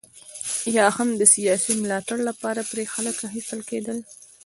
یا هم د سیاسي ملاتړ لپاره پرې خلک اخیستل کېدل.